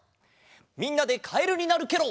みんなでカエルになるケロ。